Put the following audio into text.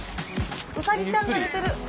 ウサギちゃんが寝てる！